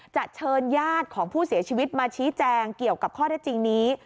เชิญญาติของผู้เสียชีวิตมาชี้แจงเกี่ยวกับข้อได้จริงนี้